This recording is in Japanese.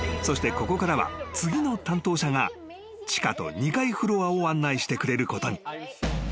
［そしてここからは次の担当者が地下と２階フロアを案内してくれることに］